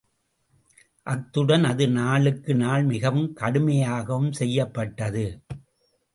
அத்துடன் அது நாளுக்கு நாள்மிகக் கடுமையாகவும் செய்யப்பட்டது.